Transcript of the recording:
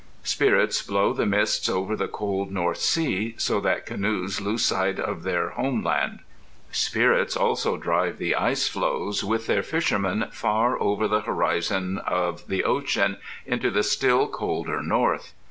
Spirits blow the mists over the cold north sea so that canoes lose sight of their home land. Spirits also drive the ice floes, with their fishermen, far over the horizon of ocean, into the still colder North.